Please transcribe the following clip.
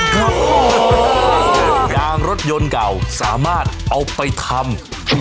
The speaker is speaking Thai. ยางรถยนต์เก่าสามารถเอาไปทำ